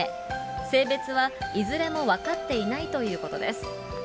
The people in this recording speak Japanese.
性別はいずれも分かっていないということです。